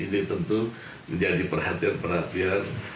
ini tentu menjadi perhatian perhatian